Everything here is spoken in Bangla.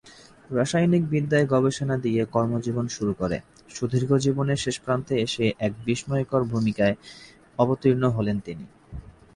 রসায়নবিদ্যায় গবেষণা দিয়ে কর্মজীবন শুরু করে, সুদীর্ঘ জীবনের শেষ প্রান্তে এসে এক বিস্ময়কর ভূমিকায় অবতীর্ণ হলেন তিনি।